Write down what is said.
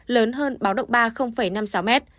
lớn hơn mức báo động ba là năm mươi sáu m